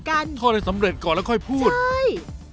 ถ้าเราได้สำเร็จก่อนแล้วค่อยพูดใช่